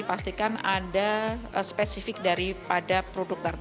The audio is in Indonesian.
pastikan ada spesifik daripada produk tertentu